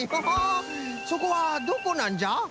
そこはどこなんじゃ？